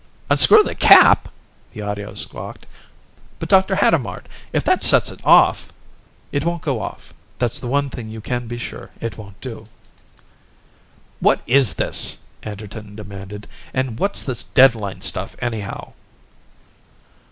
"Unscrew the cap?" the audio squawked. "But Dr. Hadamard, if that sets it off " "It won't go off. That's the one thing you can be sure it won't do." "What is this?" Anderton demanded. "And what's this deadline stuff, anyhow?"